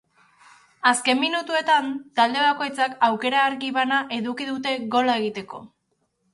Azken minutuetan, talde bakoitzak aukera argi bana eduki dute gola egiteko.